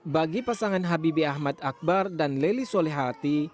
bagi pasangan habibie ahmad akbar dan leli solehati